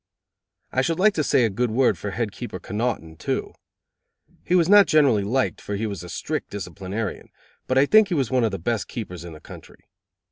I should like to say a good word for Head Keeper Connoughton, too. He was not generally liked, for he was a strict disciplinarian, but I think he was one of the best keepers in the country.